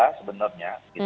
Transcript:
p tiga juga sebenarnya